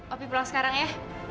opi pulang sekarang ya